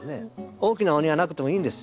大きなお庭なくてもいいんです。